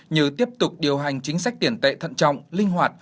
như tiếp tục điều hành chính sách tiền tệ thận trọng linh hoạt